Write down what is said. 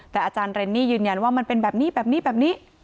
แต่อาจารย์เรนนี่ยืนยันว่ามันเป็นแบบนี้แบบนี้แบบนี้